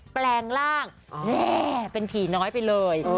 แปลงร่างแม่เป็นผีน้อยไปเลย